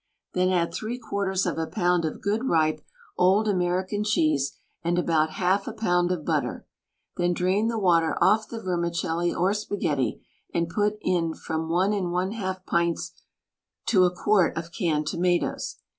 Then add three quarters of a pound of good, ripe, old American cheese, and about half a pound of butter. Then drain the water off the vermicelli or spaghetti and put in from one and one half pints to a quart of canned tomatoes.